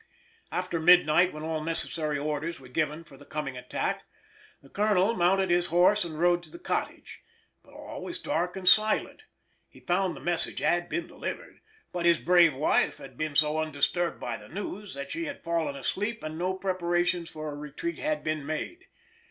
After midnight, when all necessary orders were given for the coming attack, the colonel mounted his horse and rode to the cottage, but all was dark and silent. He found the message had been delivered, but his brave wife had been so undisturbed by the news, that she had fallen asleep and no preparations for a retreat had been made.